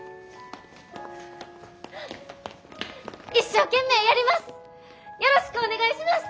一生懸命やります！